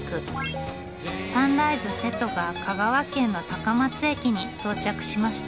サンライズ瀬戸が香川県の高松駅に到着しました。